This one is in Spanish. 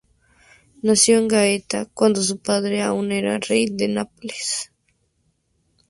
Nació en Gaeta, cuando su padre aún era rey de Nápoles.